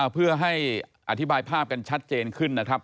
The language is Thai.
เพื่อให้อธิบายภาพกันชัดเจนขึ้นนะครับ